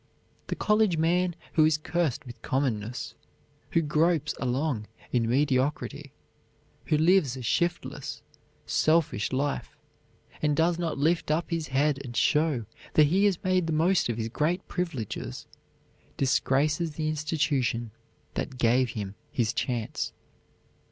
The college man who is cursed with commonness, who gropes along in mediocrity, who lives a shiftless, selfish life, and does not lift up his head and show that he has made the most of his great privileges disgraces the institution that gave him his chance.